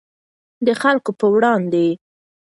د خلکو په وړاندې.